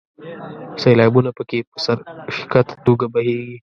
سیلابونه په کې په سر ښکته توګه بهیږي.